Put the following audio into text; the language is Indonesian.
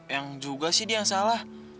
yang juga sih dia yang salah